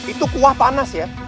itu kuah panas ya